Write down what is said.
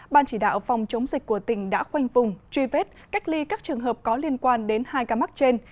ban chỉ đạo phòng chống dịch của tỉnh đã khoanh vùng truy vết cách ly các trường hợp có liên quan đến hai ca mắc trên